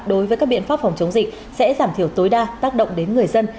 đối với các biện pháp phòng chống dịch sẽ giảm thiểu tối đa tác động đến người dân